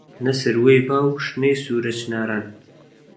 نە سروەی با و شنەی سوورە چناران